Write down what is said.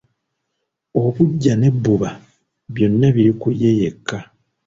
Obuggya n'ebbuba byonna biri ku ye yekka.